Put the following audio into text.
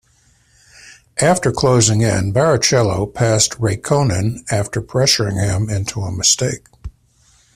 After closing in, Barrichello passed Räikkönen after pressuring him into a mistake.